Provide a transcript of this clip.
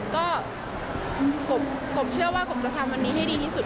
ก็กบเชื่อว่ากบจะทำวันนี้ให้ดีที่สุด